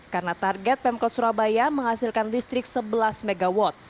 karena target pemkot surabaya menghasilkan listrik sebelas mw